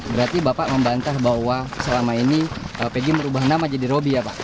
berarti bapak membantah bahwa selama ini pegg merubah nama jadi robby ya pak